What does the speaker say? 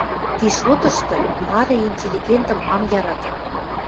Ти шотышты мары интеллигентӹм ам яраты.